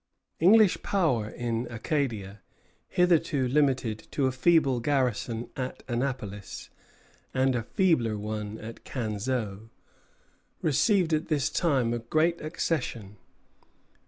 English power in Acadia, hitherto limited to a feeble garrison at Annapolis and a feebler one at Canseau, received at this time a great accession.